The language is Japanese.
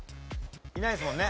いないですもんね。